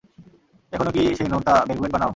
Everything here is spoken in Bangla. এখনো কি সেই নোনতা ব্যাগুয়েট বানাও?